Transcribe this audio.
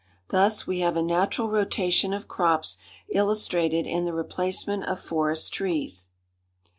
Thus we have a natural rotation of crops illustrated in the replacement of forest trees.